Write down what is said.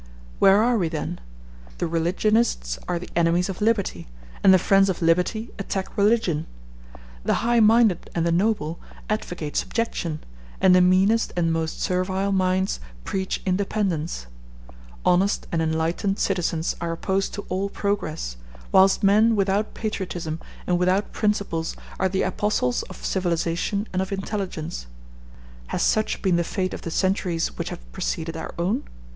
Where are we then? The religionists are the enemies of liberty, and the friends of liberty attack religion; the high minded and the noble advocate subjection, and the meanest and most servile minds preach independence; honest and enlightened citizens are opposed to all progress, whilst men without patriotism and without principles are the apostles of civilization and of intelligence. Has such been the fate of the centuries which have preceded our own?